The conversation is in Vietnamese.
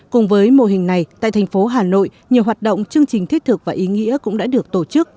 cùng với mô hình này tại tp hà nội nhiều hoạt động chương trình thích thực và ý nghĩa cũng đã được tổ chức